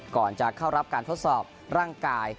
ก่อนจะเข้ารับการทดสอบร่างกาย